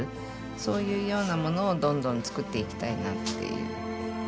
そういうようなものをどんどん作っていきたいなっていう。